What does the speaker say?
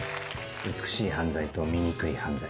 美しい犯罪と醜い犯罪。